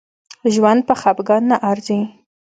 ژوند په خپګان نه ارزي